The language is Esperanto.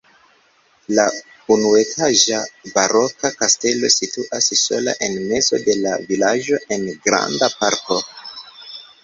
La unuetaĝa baroka kastelo situas sola en mezo de la vilaĝo en granda parko.